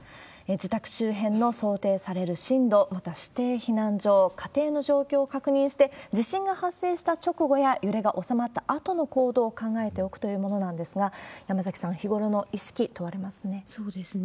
自宅周辺の想定される震度、また、指定避難所、家庭の状況を確認して、地震が発生した直後や、揺れが収まったあとの行動を考えておくというものなんですが、山崎さん、日頃の意識、そうですね。